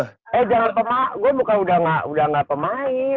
eh jangan gue udah gak pemain